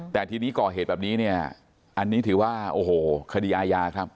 แต่ทีนี้ก่อเหตุแบบนี้เนี่ยอันนี้ถือว่าโอ้โหคดีอาญาครับ